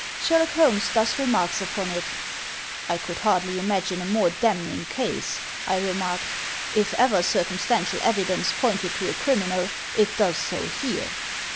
Sherlock Holmes thus remarks upon it: "I could hardly imagine a more damning case," I remarked. "If ever circumstantial evidence pointed to a criminal it does so here."